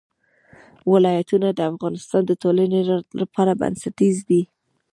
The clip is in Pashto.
ولایتونه د افغانستان د ټولنې لپاره بنسټیز دي.